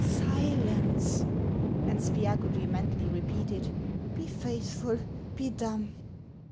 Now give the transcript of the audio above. Silence !" And Spiagudry mentally repeated :" Be faithful, be dumb."